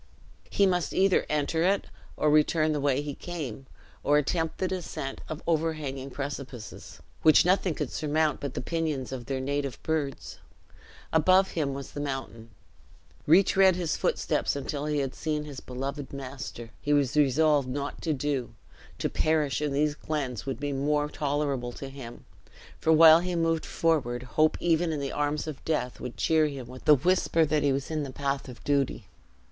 He must either enter it or return the way he came, or attempt the descent of overhanging precipices, which nothing could surmount but the pinions of their native birds. Above him was the mountain. Retread his footsteps until he had seen his beloved master, he was resolved not to do to perish in these glens would be more tolerable to him; for while he moved forward, hope, even in the arms of death, would cheer him with the whisper that he was in the path of duty.